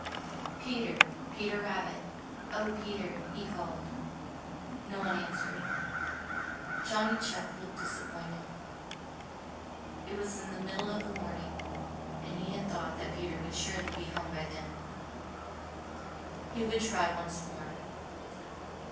"Peter! Peter Rabbit! Oh, Peter!" he called. No one answered. Johnny Chuck looked disappointed. It was the middle of the morning, and he had thought that Peter would surely be at home then. He would try once more.